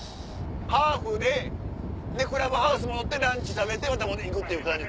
ハーフでクラブハウス戻ってランチ食べてまた行くっていう感じ